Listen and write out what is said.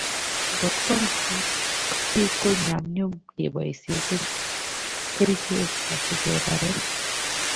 Ngotkwam kutik ko nyamnyum keboisie kerichek asikebaree